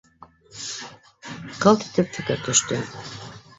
Ҡылт итеп фекер төштө